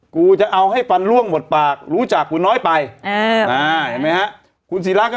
กูจะเอาให้ฟันล่วงหมดปากรู้จักคุณน้อยไป